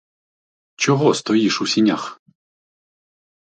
Чого стоїш у сінях?